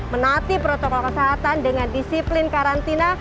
menaati protokol kesehatan dengan disiplin karantina